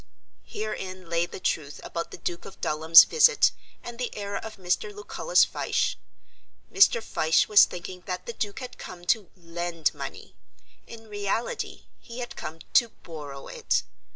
Herein lay the truth about the Duke of Dulham's visit and the error of Mr. Lucullus Fyshe. Mr. Fyshe was thinking that the Duke had come to lend money. In reality he had come to borrow it.